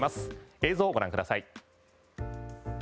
映像をご覧ください。